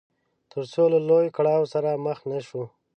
تر څو له لوی کړاو سره مخ نه شو.